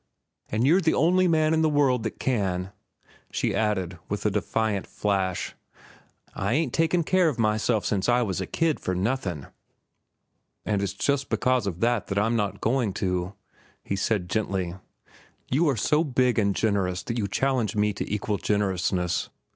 An' you're the only man in the world that can," she added with a defiant flash. "I ain't taken care of myself ever since I was a kid for nothin'." "And it's just because of that that I'm not going to," he said gently. "You are so big and generous that you challenge me to equal generousness.